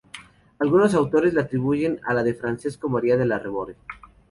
Algunos autores le atribuyen el de "Francesco Maria della Rovere".